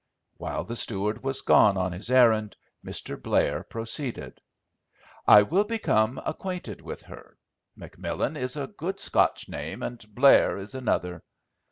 While the steward was gone on his errand Mr. Blair proceeded. "I will become acquainted with her. McMillan is a good Scotch name and Blair is another.